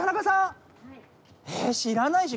知らないし。